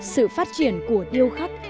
sự phát triển của điêu khắc